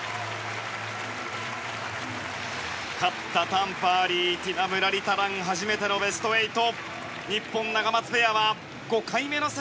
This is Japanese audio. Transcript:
勝ったタン・パーリーティナ・ムラリタランは初めてのベスト８。